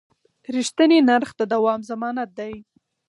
رښتیني نرخ د دوام ضمانت دی.